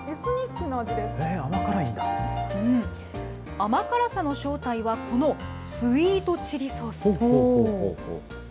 甘辛さの正体はこのスイートチリソース。